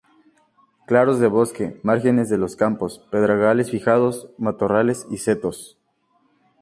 Claros de bosque, márgenes de los campos, pedregales fijados, matorrales y setos.